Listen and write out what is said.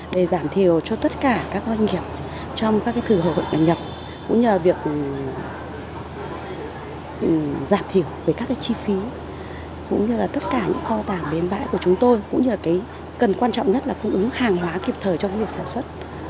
để giảm thiểu cho tất cả các doanh nghiệp trong các thử hồi ngành nhập cũng như là việc giảm thiểu về các chi phí cũng như là tất cả những kho tàng bến bãi của chúng tôi cũng như là cần quan trọng nhất là cung ứng hàng hóa kịp thời cho việc sản xuất